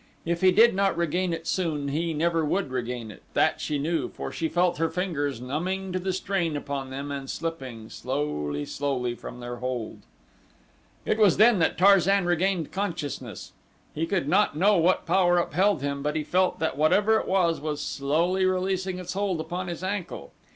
If he did not regain it soon he never would regain it, that she knew, for she felt her fingers numbing to the strain upon them and slipping, slowly, slowly, from their hold. It was then that Tarzan regained consciousness. He could not know what power upheld him, but he felt that whatever it was it was slowly releasing its hold upon his ankle.